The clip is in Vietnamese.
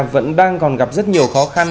vẫn đang còn gặp rất nhiều khó khăn